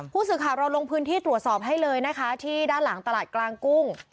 ผู้สื่อข่าวเราลงพื้นที่ตรวจสอบให้เลยนะคะที่ด้านหลังตลาดกลางกุ้ง